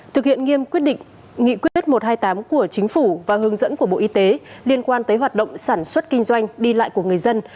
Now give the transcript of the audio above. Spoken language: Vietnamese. thực hiện nghiêm quyết nghị quyết một trăm hai mươi tám của chính phủ và hướng dẫn của bộ y tế liên quan tới hoạt động sản xuất kinh doanh đi lại của người dân